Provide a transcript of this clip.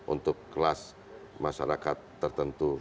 untuk kelas masyarakat tertentu